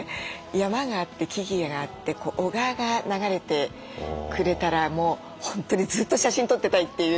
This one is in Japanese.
山があって木々があって小川が流れてくれたらもう本当にずっと写真撮ってたいっていう。